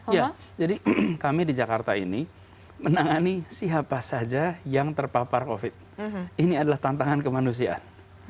ya jadi kami di jakarta ini menangani siapa saja yang terpapar covid ini adalah tantangan kemanusiaan